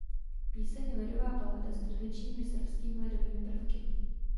Píseň je lidová balada s tradičními srbskými lidovými prvky.